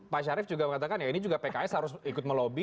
pak syarif juga mengatakan ya ini juga pks harus ikut melobi